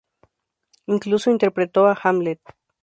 Incluso interpretó a "Hamlet".